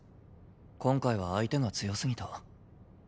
今回は相手が強すぎた。